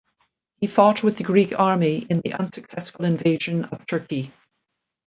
He fought with the Greek Army in the unsuccessful invasion of Turkey.